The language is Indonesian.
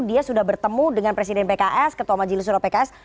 dia sudah bertemu dengan presiden pks ketua majelis suro pks